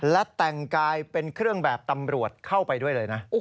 และแต่งกายเป็นเครื่องแบบตำรวจเข้าไปด้วยเลยนะ